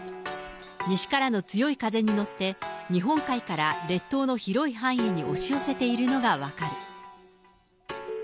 西からの強い風に乗って、日本海から列島の広い範囲に押し寄せているのが分かる。